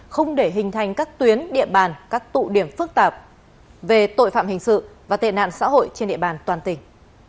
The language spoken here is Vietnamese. không để hình thành các tuyến địa bàn các tụ điểm phức tạp về tội phạm hình sự và tệ nạn xã hội trên địa bàn toàn tỉnh